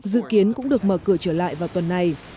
dự kiến cũng được mở cửa trở lại vào tuần này